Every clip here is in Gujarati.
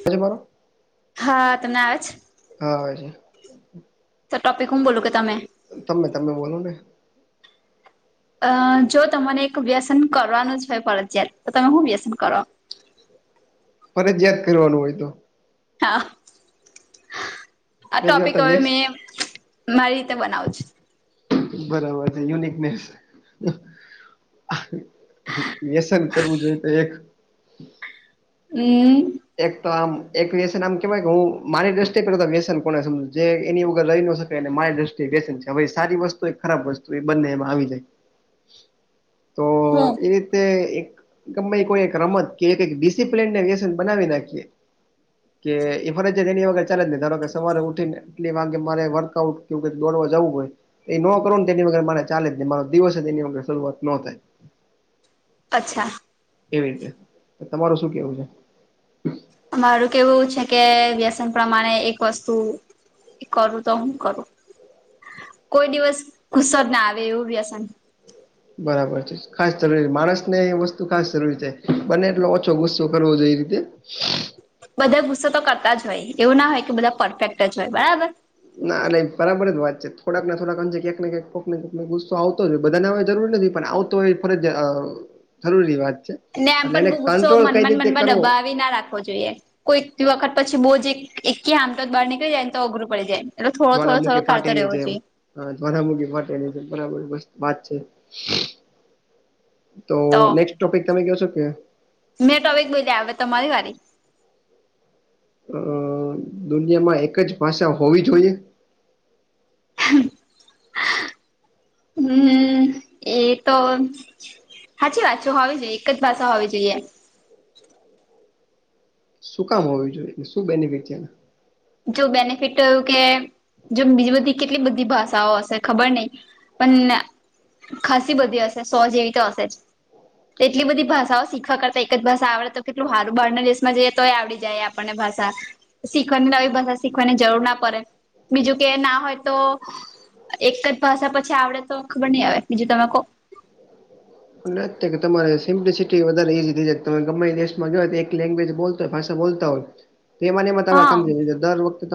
[unintelligible] હા. તને આવે છ? હા આવે છે. તો ટોપિક હું બોલું કે તમે? તમે-તમે બોલો ને. અહ જો તમારે એક વ્યસન કરવાનું જ હોય ફરજિયાત, તો તમે હું વ્યસન કરો? ફરજીયાત કરવાનું હોય તો? હા. આ પેલી વાત ટોપિક તો હવે વ્યસ મે મારી રીતે બનાવું છું. બરાબર છે. યુનિકનેસ. વ્યસન કરવું જોઈએ તો એક હમ્મ. એક તો આમ એક વ્યસન આમ કેવાય કે હું મારી દ્રષ્ટિએ કરું તો વ્યસન કોને સમજે એની વગર રહી નો શક કે એને મારી દ્રષ્ટિએ વ્યસન છે, હવે ઈ સારી વસ્તુ હોય કે ખરાબ વસ્તુ હોય એ બંને એમાં આવી જાય. તો હમ્મ. એ રીતે એક ગમેય કોઈ એક રમત કે એક ડિસીપ્લીનને વ્યસન બનાવી નાખીએ [unintelligible] કે એ ફરજિયાત એની વગર ચાલે જ નહીં. ધારો કે સવારે ઉઠી ને એટલે વાગે મારે વર્કઆઉટ કે એવું કંઈક દોડવા જાવું હોય એ નો કરો ને તો એની વગર મારે ચાલે જ નહીં, મારો દિવસ જ તેની વગર શરૂઆત નો થાય. અચ્છા. એવી રીતે. તો તમારું શું કેવું છે? [inaudible] મારું કેવું એવું છે કે વ્યસન પ્રમાણે એક વસ્તુ કે કરું તો હું કરું? કોઈ દિવસ ગુસ્સો જ ના આવે એવું વ્યસન. બરાબર છે. ખાસ જરૂરી માણસ ને એ વસ્તુ ખાસ જરૂરી છે. બને એટલો ઓછો ગુસ્સો કરવો જોઈ એ. બધા ગુસ્સો તો કરતા જ હોય, એવું ના હોય કે બધા પરફેક્ટ જ હોય. બરાબર? ના એટલે એ બરાબર જ વાત છે. થોડાક ને થોડાક આમ જ્યાં ક્યાંક ને ક્યાંક, કોક ને કોકને ગુસો આવતો જ હોય, બધાને આવે જરૂરી નથી. પણ આવતો હોય એ ફરજિયા અહ જરૂરી વાત છે. ને એમ એટલે પણ એને બહુ ગુસ્સો કંટ્રોલ કઈ મનમાં રીતે મનમાં કરવો દબાવી ના રાખ ખવો જોઈએ. કોઈ વખત પછી બહું જ એક એક [unintelligible] બહાર નીકળી જાય ને તો અઘરું પડી જાય. એટલે થોડો-થોડો-થોડો કાઢતો રહેવો જોઈએ. હા ભરા મોટી માટેની બરાબર વાત છે. તો નેક્સ્ટ ટોપિક તમે ક શો કે? મેટો એક બોલ્યા આવે તમારી વારી. અ દુનિયામાં એક જ ભાષા હોવી જોઈએ? [inaudible] હમ એ તો સાચી વાતચો હોવી જોઈએ એક જ ભાષા હોવી જોઈએ. શું કામ હોવું જોઈએ, એટલે શું બેનિફિટ છે એને? જો બેનિફિટ કે જો બીજી બધી કેટલી બધી ભાષાઓ હશે ખબર નહી? પણ ખાસી બધી હશે સો જે એવી તો હશે જ. એટલી બધી ભાષાઓ શીખવા કરતા એક જ ભાષા આવડે તો કેટલું હારું, બહારના દેશમાં જઈએ તો એ આવડી જાય આપ આપણને ભાષા શીખવા [inaudible] ભાષા શીખવાની જરૂર ના પડે બીજું કે ના હોય તો એક જ ભાષા પછી આવડે તો ખબર નહી આવે બીજું તમે કો કે તમારે સિમ્પ્લિસિટી વધારે ઈઝી થઈ જાય તમે ગમે દેશ માં જો એક લેંગ્વેજ બોલ ભાષા બોલતા હોત હા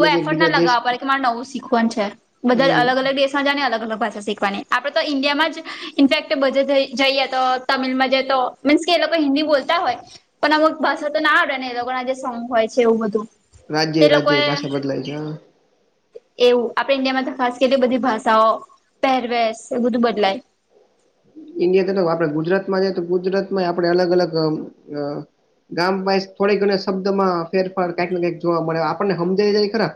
બ એક એફર્ટ ના બીજા દેશ લગાવ પડે કે મારે નવું શીખવાનું છે બધા હમ અલગ અલગ દેશ ને અલગ અલગ ભાષા શીખવાની આપડે તો ઇન્ડિયામાં જ ઇનફેક્ટ બધે જઈએ તો તમિલમાં જ તો મીન્સ કે એ લોકો હિન્દી બોલતા હોય પણ અમુક ભાષા તો ના આવડે ને એ લોકો ના જે સોંગ હોય છે એવું બધું રાજ્ય તે રાજ્ય લોકોએ ભાષા બદલાય છે. એવું આપડે ઇન્ડિયા માં તો ખાસ કેટલી બધી ભાષાઓ પહેરવેશ એ બધું બદલાય. ઇન્ડિયા તો આપડે ગુજરાત માં જ તો ગુજરાત માં આપણે અલગ અલગ ગામ ભ થોડીક ઘણી શબ્દ માં ફેરફાર કંઈક ને કઈક જોવા મળે, આપણને સમજાઈ જાય ખરા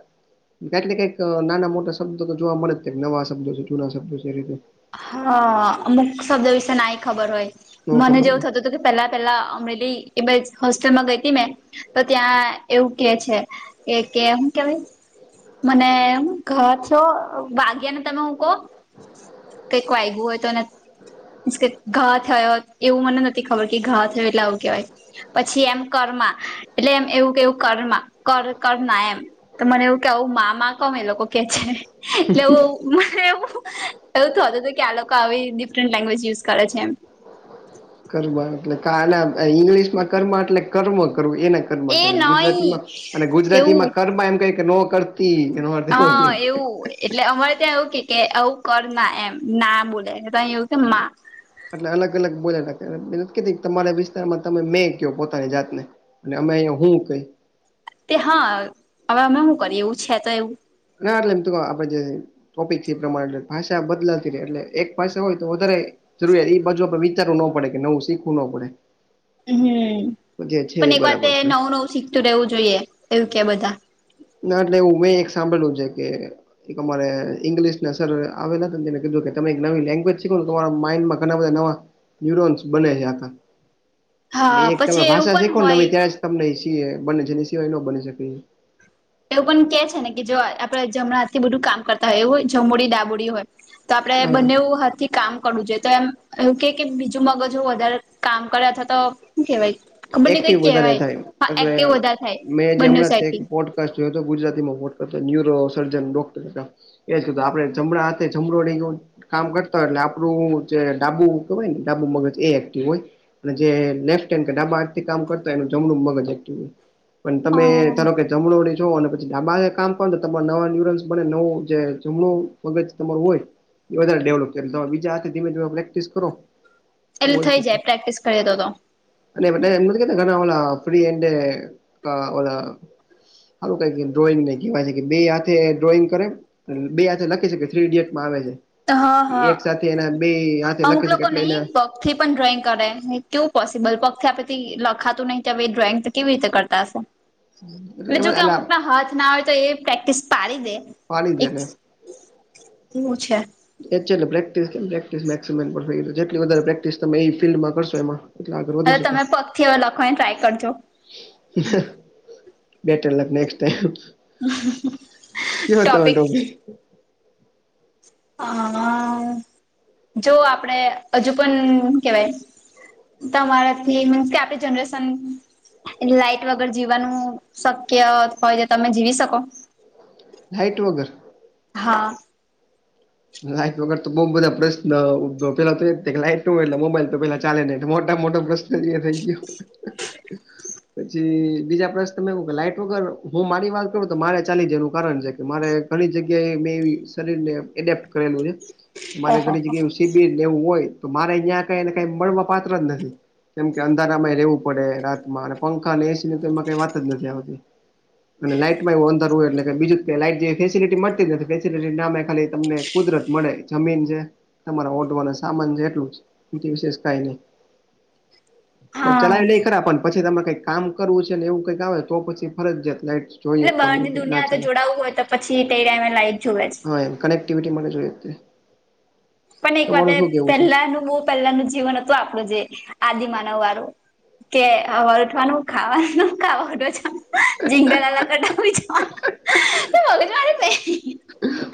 કંઈક ને કઈક નાના મોટા શબ્દ તો જોવા મળે જ કઈક નવા શબ્દો છે જૂના શબ્દો છે એ રીતે હા અમુક શબ્દ વિશે નાઈ ખબર હોય નો મને ખબર જેવું હોય થતું પેલા પેલા અમરેલી એ હોસ્ટેલમાં ગઈ હતી મેં તો ત્યાં એવું કે છે કે કે હું કેવા? મને ઘ છો વાગ્યા ને તમે હું કહો? કંઈક વાયગું હોય તો અને? કે ઘા થયો એવું મને નથી ખબર કે ઘા થયો એટલે આવું કેહેવાય. પછી એમ કર્મા એટલે એમ એવું કેવું કર્મા કર કર્મા એમ તો મને એવું કે આવું મામા કોમ એ લોકો કે છે એટલે એવું મને એવું એવું હતું હતું કે આ લોકો આવી ડિફરન્ટ લેંગ્વેજ યુઝ કરે છે એમ. કર એટલે ઈંગ્લિશ માં કર્મ એટલે કર્મ કરવું એને કર્ એ કેવાય નહી ગુજરાતીમાં અને ગુજરાતી એવું માં કર્મા એમ ક કે નો કરતી એનો અર્થ એવો હા થાય. એવું એટલે અમારે ત્યાં એવું કે કે આવું કર ના એમ ના બોલે ત એવું કે માં. એટલે અલગ અલગ બોલાલા તમારા વિસ્તારમાં તમે મેં કો પોતાની જાતને. અને અમે હું કઈ. તે હા હવે અમે શું કરીએ એવું છે તો એવું ના એટલે કે આપ જે ટોપિક છે, એ પ્રમાણેટલે ભાષા બદલાતી ર એટલે એક ભાષા હોય તો વધારે જરૂરત એ બાજુ આપે વિચારવું ન પડે કે, નવું શીખવું ન પડે. હમ તો જે છે પણ એ એક વારત બરાબર છે. નવું નવું શીખતું રહેવું જોઈએ એવું કે બધા ના એટલે હું મેં એક સાંભળલું છે કે એક અમારે ઈંગ્લિશને સર આવેલાને કીધું કે તમે એક નવી લેંગ્વેજ શીખો તમારા માઈન્ડમા ઘણા બધા નવા નયુરોન્સ બને છે આખા અને હા એક તમે પછી એવું ભાષા પણ શીખો ને નવે ત્યારેં હોય જ તમને બને છે સિવાય ન બની શકે. એવું પણ કે છે ને કે જો આપડે જમણા હા થી બધું કામ કરતા હોય, એવું જમોડી ડાબોડી હોય. તો આપડણે હા બંનેવું હાથે કામ કરવું જોઈએ, તો એમ એવું કે કે બીજું મગજ વધારે કામ કરે, અથવા તો શું કેવાય? બંને કઈક એક્ટિવ વધારે કહેવાય થાય હ એટલે એક્ટિવ વધા થાય બંને સા યો ગુજરાતીમાં કર ન્યુરો સર્જન ડોક્ટર હતા એ જ કીધું આપડે જમણાડા હથે જમો નઈ ગય કામ કરતા હોય એટલે આપણું જે ડાબુ કેહેવાય ને ડાબુ મગજ એ એક્ટિવ હોય અને જે લેફ્ટ હેન્ડ કે ડાબા હાથ થી કામ કરતા એનું જમણું મગજ એક્ટ પણ હ તમે ધારો કે જમણોડી છો અને પછી ડાબા કામ કર તો તમા નવા ન્યુરન્સ બને નવું જે જમણું મગજ તમારું હોય એ વધારે ડેવલપ કરમે બીાથે ધીમે ધીમે પ્રેક્ટસ કરો એટલે થઈ જાય પ્રેક્ટિસ કરીએ તો તો અ એ કેતાળ ફ એડ સારું ક ડ્રોઈંગ ન કહેવાય છે કે બે હાથે ડ્રોઈંગ કરે બે આજે લખી શ કે થ્રી ઇડિયટમાં આવે છે હા હા એક સાથે એના બે હાથે લખી શકે એટલે એને પથી પણ ડ્રોઈંગ કરે કેવું પોસિબલ પગથી આપેથી લખાતું નહીિ કે હવે એ ડ્રોઈંગ તો કેવી રીતે કરતા હશે એટલે એમ જો કે જ અમુક ના હાથ ના હોય તો એ પ્રેક્ટિસ પાડી દે પાડી દે એક એટલે ઓ અ્છા એ જ તમે ફિલ્ડમાં કરશો એમાં એટલે આગળ હ વધી શકો તમે પગ થી હવે લખવાની ટ્રાય કરજો બેટર લખ નેક્ ટાઈમ કે ત ટોપિક ટડી હ જો આપડે હજુ પણ કેવાય તમારાથી મીન્સ કે આપણી જનરેશન લાાઈટ વગર જીવવાનું શક્ય હોય તો તમે જીવી શકો લાઇટ વગર હા લાઈટ વગર તો બઉુ બધા પ્રશ્ન પેલા તો લાઈટ ન હોયટલે મોબાઈલ તો પેલા ચાલે નેટ મોટા મોટા પ્રશ્ન ચલ થેન્ક યુ પછી બીજા પ્રશ્ન ત ક કે લાઈટ વગર હું મારી વાત કરું તો મારે ચાલી જાયનું કારણ છે કે મારે ઘણી જગ્યાએ મેં શરીરને એડેપ્ટ કરેલું છે મારે ઓહો ઘણી જગ્યાએ શિબિર એવું હોય તો મારે જ્યાં કઈને કઈ મળવા પાત્ર જ નથી કેમ કે અંધારામાં રહેેવું પડે રાતમાં અને પંખા અને એસી તો એમાં કઈ વાત જ નથી આવતી અને લાઈટમાં એવું અંદર હોુંય એટલે કે બીજું લાઈટ ફેસિલિટી મળતી જ ફેસલટી ના ખાલી તમને કુદરત મળે જમીન છે તમારા ઓઢવાનું સામાન છે એટલું જ એ વિશેષ કઈ નહી [inaudible] હા ચલાય નહીં કરા પણ પછી તરે કઈક કામ કરવું છે ને એવું કઈક આવે તો પછી ફરજ જત લાઈટ જોઈએ એટલે જ બહણ તેની એવું ની કંઈક ના દુનિયા સાથે ચાલે જોડાવું હોય તો પછી તે ટાઈમે લાઈટ જોુવે છે હા એમ કનેક્ટિવિટી માટે જોઈ પણ એક વાત પહેલાનું બહ પહેલાનું જીવન હતું આપણું જે આદિમાનવ વાળું કે વળઠવાનું ખાવાનું ખાવાો છ જીંગલાલા કટક છ બલ મારી ન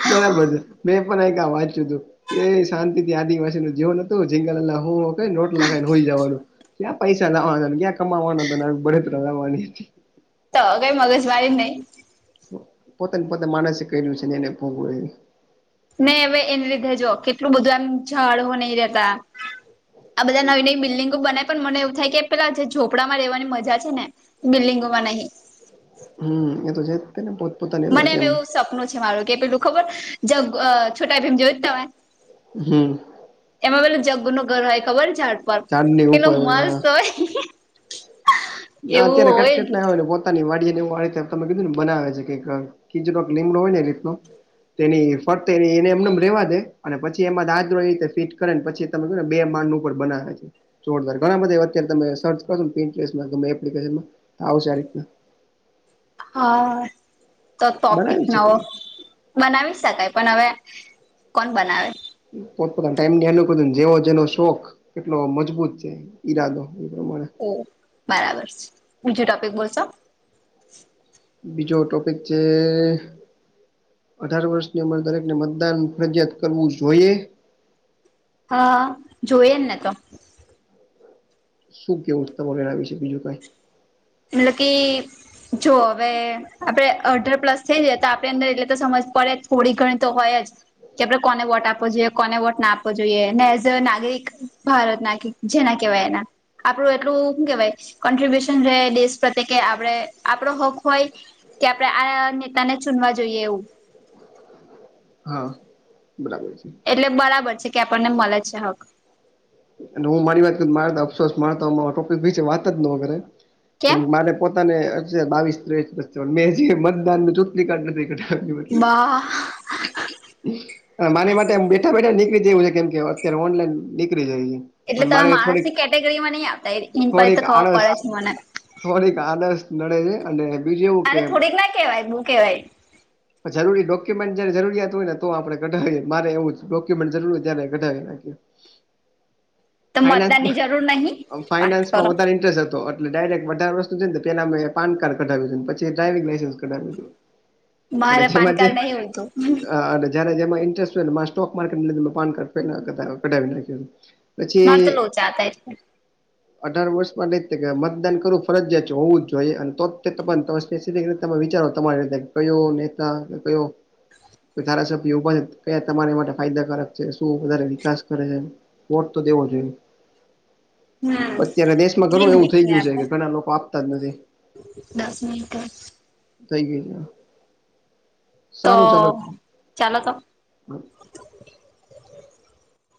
બરાબર છે બેં પણ એક આવાજ જુ હતું એ શાંતિ થી આદિવાસી ન જેવો નોતો જીંગ હું નોટ લખાય ને હોય જવાનું ક્યાં પૈસા લાવવાના હતાને ક્યાં કમાવાનો હતો બળતરા લાવવાની હતી તો કઈ મગસ વાાઈહી પોતાને પોતા માણસે કર્યું છે ને એને ભોગવું નહી હવે એને લીધે જો કેટલું બધું એમ જડવો નહી રતા આ બધા નવી નવી બિલ્ડિંગો બનાય પણ મને એવું થાય કે પેલા જે ઝોપડામાં રહેવાની મજા છે ને બિલ્ડીંગમાં નહી હ એ તો છે ને પોત પોતાની મને એમ એવું સપનું છે મારું કે પેલું ખબર જગ છોટા ભીમ જોય છ તમે? હમ એમાં પેલું જગ્ગુ નું ઘર હોય ખબર ઝાડ પર ઝાડની કેટલું ઉપર મસ્ત હોય. હ એવું અત્યારે કટ હોય કેટલા આવે પો ની વાડીને તમે કીધું ને બનાવે છે કે કીજડો લીમડો હોય ને એ રીતનો તેની ફરતેની એને એમનેમ રેવા દે અને પછી એમાં દાત રીતે ફીટ કરે પછી ને બે માન ઉપર બનાવે છે જોરદાર ઘણા બધા અત્યારે તમે સર્ચ કરો તમે એપ્લિકેશનમાં આવશે રીતના હા તો ટોપિક બનાવી છે નવો કઈ બનાવી શકાય પણ હવે કોણ બનાવે. પોતપતા ટાઈમલને જેવો જેનો શોખ કેટલો મજબૂત છે ઈરાદો એ પ્રમાણે ઓ બરાબર છે બીજું ટોપિક બોલશો બીજો ટોપિક છે. અઢાર વર્ષની અમર દરેકને મતદાન ફરજિયાત કરવું જોઈએ? હા જોયજને તો શું કેવ તમારુ આના વિશે બીજું કઈ લેકી જો હવે આપડે અઢાર પ્લસ થઈ જાય તો આપણે અંદર એટલે તો સમજ પડે જ થોડી ઘણી તો હોય જ કે આપડે કોને વોટ આપવો જોઈએ કોને વોટ ના આપવો જોઈએ એઝ નાગરિક ભારત નાખી જેના કેવાય એના આપડું એટલું શું કેવાય કોન્ટ્રિબ્યુશન રહે દેશ પ્રત્યે કે આપણે આપડો હક હોય કે આપડે આ નેતાને ચૂનવા જોઈએ એવું. હા બરાબર છે. એટલે બરાબર છે કે આપણને મળે છે હક અને હું મારી વાત મારતો અફસોસ મારતો ટોપિક ભી છે વાત જ નો કરે કે કેમ મારે પોતાને બાવીસ ત્રેવીસ મેં જે મતદાન નુ ચૂંટણી કાર્ડ નથી બનાવ્યું એટલે. બા મારી માટે બેઠા બેઠા નીકળી જવું છે કેમ કે અત્યારે ઓનલાઈન ની કરી જાઈએ. એટલે તમે માનસ ની કેટેગરી માં નહી આવતા ઇન પડ થોડીક તો ખબર આળસ પડે છે મને. થોડીક આલસ નડે છે અને બીજું એવું કે અને થોડીક ના કેવાય બહુ કેવાય જરૂરી ડોક્યુમેન્ટ જયારે જરૂરિયાત હોય ને તો આપડે કઢાવીએ મારે એવું ડોક્યુમેન્ટ જરૂર હોય ત્યારે કઢાવી નાખીએ. તો મતદાનની જરૂર નહી ફાઈનાન્સમાં વાત ફાઈનાન્સમાં કરો વધારે ઇન્ટરેસ્ટ હતો એટલે ડાયરેક અઢાર વસ્તુ છે ને પેલા મે પાન કાર્ડ કઢાવ્યુ પછી ડ્રાઈવિંગ લાયસન્સ કઢાવ્યું હતું અ મારે પાન છેમાંજે કાર્ડ નહી હોતું હ જયારે જેમાં ઇન્ટરેસ્ટ હોય મા સ્ટોક માર્કેટ લીઘ મેં પાન કાર્ડ કઢાવી લીધો પછી મારે તો લોચા હતા એટલે અઢાર વર્ષમાં લઈ મતદાન કરવું ફરજિયાત હોવું જ જોઈએ અને તો જ તે તમારા સ્પેસિફિક રીતે તમે વિચારો તમારી રીતે કયો નેતા કયો ધારાસભ્ય ઉભા છે કયા તમારી માટે ફાયદાકારક છે શું વધારે વિકાસ કરે છે. વોટ તો દેવો જોઈએ હમ અત્યારે દેશમાં કેટલી ઘણું એવું મિનિટ થઈ ગયું છે કે આપણે ઘણા લોકો તમદી દસ મનટે થઈ ગય છે. તો સારું ચાલો ચાલો તો